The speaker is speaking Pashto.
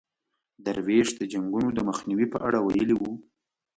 درویش د جنګونو د مخنیوي په اړه ویلي وو.